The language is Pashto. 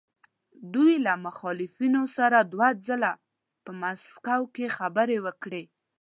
دوی له مخالفینو سره دوه ځله په مسکو کې خبرې وکړې.